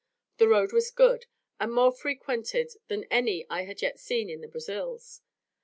The road was good, and more frequented than any I had yet seen in the Brazils.